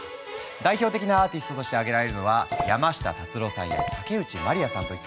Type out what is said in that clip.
代表的なアーティストとして挙げられるのは山下達郎さんや竹内まりやさんといった方たち。